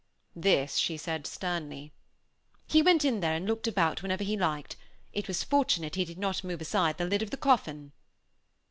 This she said sternly. "He went in there and looked about wherever he liked; it was fortunate he did not move aside the lid of the coffin."